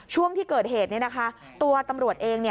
ช่วงที่เกิดเหตุตัวตำรวจเอง